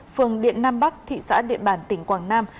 phường điện nam bắc thị xã điện bàn tỉnh quảng nam